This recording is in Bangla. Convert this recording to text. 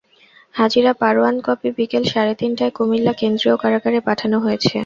হাজিরা পরোয়ানার কপি বিকেল সাড়ে তিনটায় কুমিল্লা কেন্দ্রীয় কারাগারে পাঠানো হয়েছে।